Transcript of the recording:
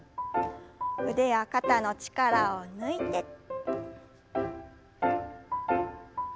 腕や肩の力を抜いて。